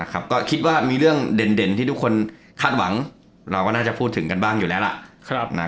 ก็คิดว่ามีเรื่องเด่นที่ทุกคนคาดหวังเราก็น่าจะพูดถึงกันบ้างอยู่แล้วล่ะ